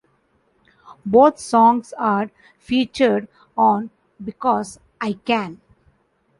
Both songs are featured on "Because I Can".